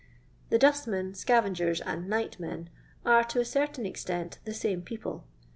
The dustmen, scavengers, and nightmen are, to a certain extent, the same people.